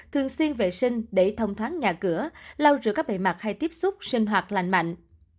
thường xuyên vệ sinh để thông thoáng nhà cửa lau rửa các bề mặt hay tiếp xúc sinh hoạt lành mạnh